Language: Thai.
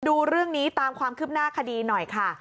ดูเรื่องนี้ตามความคืบหน้าคดีหน่อยค่ะ